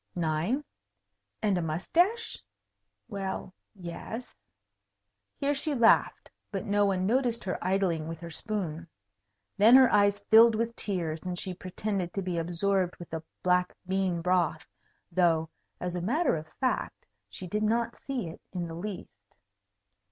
9. And a moustache? Well, yes. Here she laughed, but no one noticed her idling with her spoon. Then her eyes filled with tears, and she pretended to be absorbed with the black bean broth, though, as a matter of fact, she did not see it in the least.